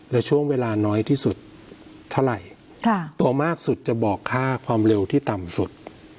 และช่วงเวลาน้อยที่สุดเท่าไหร่ตัวมากสุดจะบอกค่าความเร็วที่ต่ำสุด